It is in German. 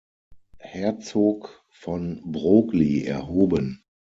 Herzog von Broglie erhoben.